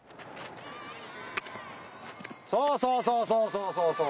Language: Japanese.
「そうそうそうそう！